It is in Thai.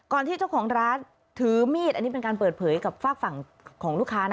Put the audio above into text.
ที่เจ้าของร้านถือมีดอันนี้เป็นการเปิดเผยกับฝากฝั่งของลูกค้านะ